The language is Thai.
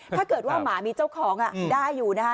ถ้าเกิดว่าหมามีเจ้าของได้อยู่นะคะ